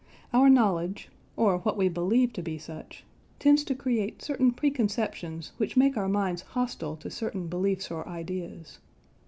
Our knowledge, or what we believe to be such, tends to create certain preconceptions which make our minds hostile to certain beliefs or ideas.